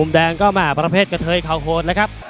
อะมุมแบรนด์ก็แหม่ประเภทกระเทยขาวโคลดเลยครับ